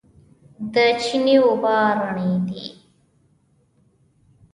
د چينې اوبه رڼې دي.